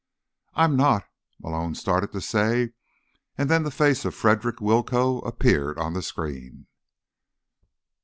"I'm not—" Malone started to say, and then the face of Frederick Willcoe appeared on the screen.